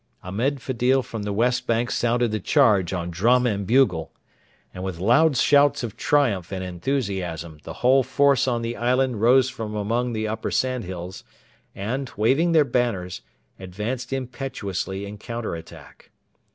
Ahmed Fedil from the west bank sounded the charge on drum and bugle, and with loud shouts of triumph and enthusiasm the whole force on the island rose from among the upper sandhills, and, waving their banners, advanced impetuously in counter attack.